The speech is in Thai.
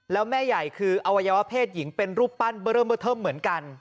แล้วแม่ใหญ่คืออวัยวะเพศหญิงเป็นรูปปั้นเบอร์เริ่มเบอร์เทิมเหมือนกัน